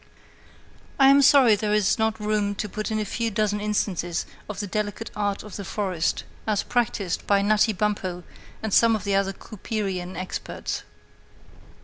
I am sorry there is not room to put in a few dozen instances of the delicate art of the forest, as practised by Natty Bumppo and some of the other Cooperian experts.